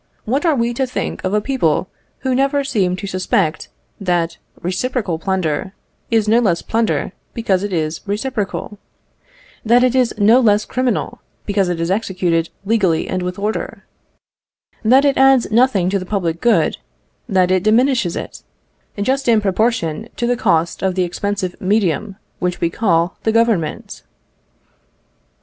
What are we to think of a people who never seem to suspect that reciprocal plunder is no less plunder because it is reciprocal; that it is no less criminal because it is executed legally and with order; that it adds nothing to the public good; that it diminishes it, just in proportion to the cost of the expensive medium which we call the Government?